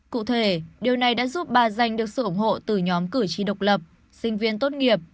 cụ thể điều này đã giúp bà giành được sự ủng hộ từ nhóm cử tri độc lập sinh viên tốt nghiệp